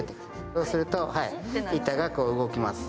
そうすると板が傾きます。